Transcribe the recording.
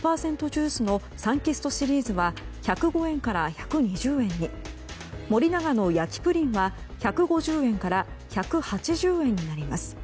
ジュースのサンキストシリーズは１０５円から１２０円に森永の焼プリンは１５０円から１８０円になります。